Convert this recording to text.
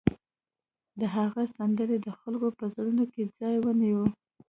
د هغه سندرې د خلکو په زړونو کې ځای ونیو